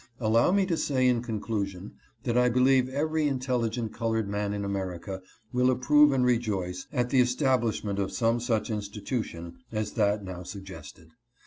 Allow me to say in conclu sion that I believe every intelligent colored man in America will approve and rejoice at the establishment of some such institution as that now suggested.